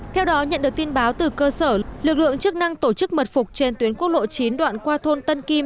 theo đó nhận được tin báo từ cơ sở lực lượng chức năng tổ chức mật phục trên tuyến quốc lộ chín đoạn qua thôn tân kim